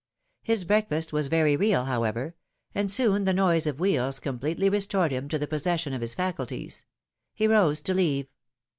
His breakfast was very real, however ; and soon the noise of wheels completely restored him to the possession of his faculties. He rose to leave.